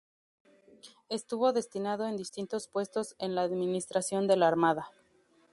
Estuvo destinado en distintos puestos en la administración de la Armada.